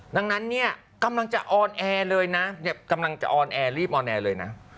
ดังนั้นเนี่ยกำลังจะออนแอร์เลยนะ